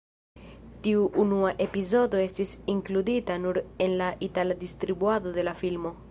Tiu unua epizodo estis inkludita nur en la itala distribuado de la filmo.